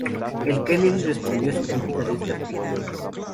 El Kennedy respondió a su crítica en este artículo.